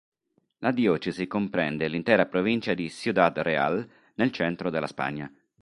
La diocesi comprende l'intera provincia di Ciudad Real nel centro della Spagna.